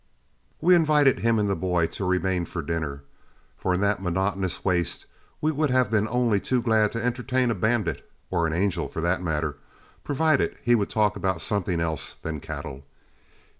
We invited him and the boy to remain for dinner, for in that monotonous waste, we would have been only too glad to entertain a bandit, or an angel for that matter, provided he would talk about something else than cattle.